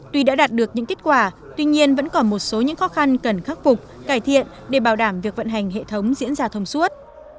tuy đã đạt được những kết quả tuy nhiên vẫn còn một số những khó khăn cần khắc phục cải thiện để bảo đảm việc vận hành hệ thống diễn ra thông suốt